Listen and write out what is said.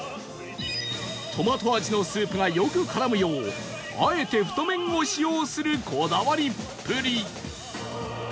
トマト味のスープがよく絡むようあえて太麺を使用するこだわりっぷり